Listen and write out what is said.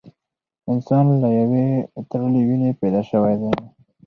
انسان له یوې تړلې وینې پیدا شوی دی.